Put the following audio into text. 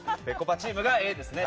ぺこぱチームがＡですね。